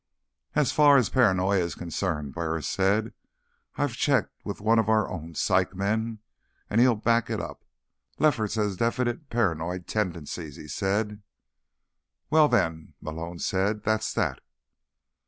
"As far as paranoia is concerned," Burris said, "I checked with one of our own psych men, and he'll back it up. Lefferts has definite paranoid tendencies, he says." "Well, then," Malone said, "that's that."